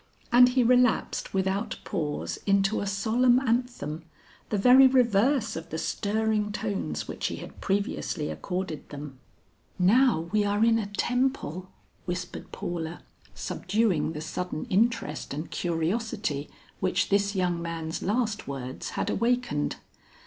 And he relapsed without pause into a solemn anthem, the very reverse of the stirring tones which he had previously accorded them. "Now we are in a temple!" whispered Paula, subduing the sudden interest and curiosity which this young man's last words had awakened.